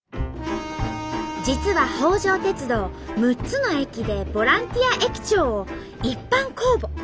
実は北条鉄道６つの駅でボランティア駅長を一般公募。